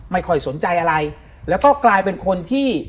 ไม่ค่อยสนใจอะไรแล้วก็กลายเป็นคนที่